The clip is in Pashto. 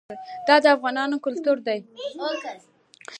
دا د افغانانو کلتور دی.